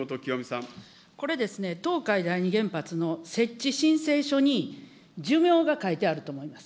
これですね、東海第二原発の設置申請書に、寿命が書いてあると思います。